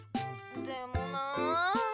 でもなあ。